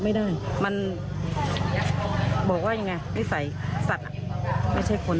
แม่อีกครั้งเลยทายไม่เห็น